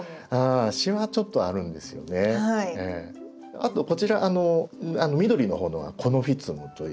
あとこちら緑の方のはコノフィツムという。